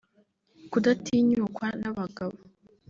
Kudatinyukwa n’abagabo